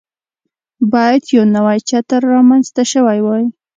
باید یو نوی چتر رامنځته شوی وای.